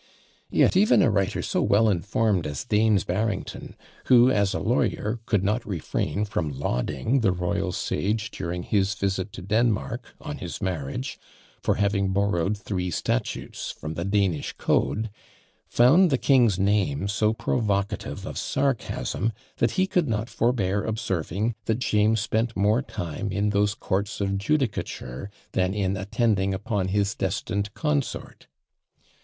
Yet even a writer so well informed as Daines Barrington, who, as a lawyer, could not refrain from lauding the royal sage during his visit to Denmark, on his marriage, for having borrowed three statutes from the Danish code, found the king's name so provocative of sarcasm, that he could not forbear observing, that James "spent more time in those courts of judicature than in attending upon his destined consort."